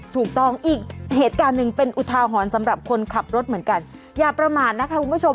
ถูกต้องอีกเหตุการณ์หนึ่งเป็นอุทาหรณ์สำหรับคนขับรถเหมือนกันอย่าประมาทนะคะคุณผู้ชม